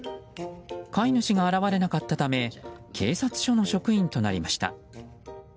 飼い主が現れなかったため警察署の職員となりました。